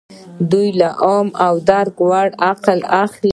دوی له عام او د درک وړ عقل کار اخلي.